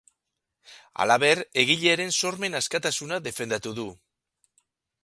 Halaber, egilearen sormen askatasuna defendatu du.